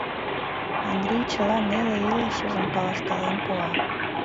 Андрий чыла неле илышыжым каласкален пуа.